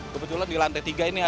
kebetulan di lantai tiga ini ada